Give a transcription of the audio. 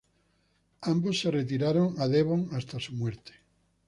Ambos se retiraron a Devon hasta su muerte.